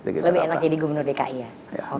lebih enak jadi gubernur dki ya